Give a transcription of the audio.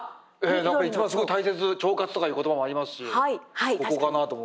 何か一番すごい大切腸活とかいう言葉もありますしここかなと思ったんですけど。